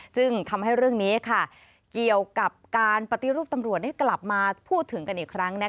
ซึ่งทำให้เรื่องนี้เกี่ยวกับการปฏิรูปตำรวจได้กลับมาพูดถึงกันอีกครั้ง